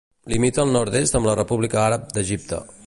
Limita al nord-est amb la República Àrab d'Egipte.